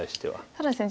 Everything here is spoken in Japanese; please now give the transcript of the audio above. ただですね